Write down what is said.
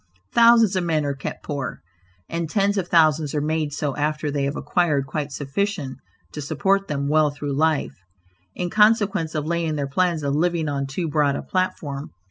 Thousands of men are kept poor, and tens of thousands are made so after they have acquired quite sufficient to support them well through life, in consequence of laying their plans of living on too broad a platform.